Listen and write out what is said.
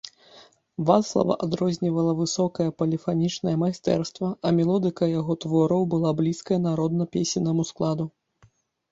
Вацлава адрознівала высокае поліфанічнае майстэрства, а мелодыка яго твораў была блізкая народна-песеннаму складу.